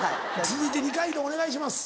続いて二階堂お願いします。